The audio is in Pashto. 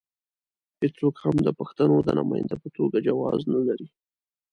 هېڅوک هم د پښتنو د نماینده په توګه جواز نه لري.